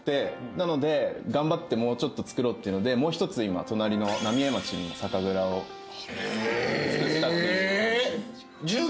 なので頑張ってもうちょっと造ろうっていうのでもう１つ隣の浪江町にも酒蔵を造ったっていう。